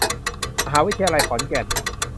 มหาวิทยาลัยขอนแก่น